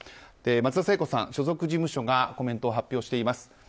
松田聖子さん、所属事務所がコメントを発表しています。